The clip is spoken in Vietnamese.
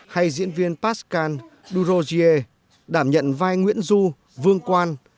hay diễn viên pascal duroger đảm nhận vai nguyễn du vương quan